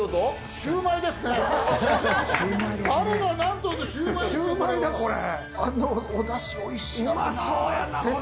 シューマイだ、あのおだし、おいしそう。